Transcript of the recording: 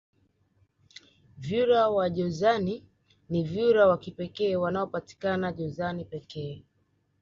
vyura wa jozani ni vyura wa kipekee wanaopatikana jozani pekee